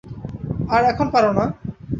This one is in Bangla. আর এখন পারো না?